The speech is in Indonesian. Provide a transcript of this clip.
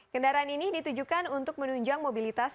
kendaraan ini ditujukan untuk menunjang mobilitas